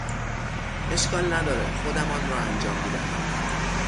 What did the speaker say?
اشکال نداره، خودم آنرا انجام میدهم!